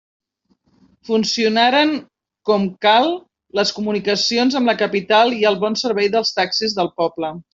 Funcionaren com cal les comunicacions amb la capital i el bon servei dels taxis del poble.